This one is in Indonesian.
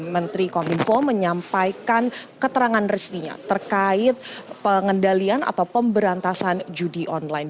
menteri komunikasi dan informatika menyampaikan keterangan resminya terkait pengendalian atau pemberantasan judi online